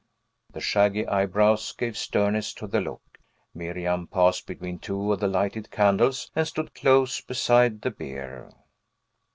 The shaggy eyebrows gave sternness to the look. Miriam passed between two of the lighted candles, and stood close beside the bier.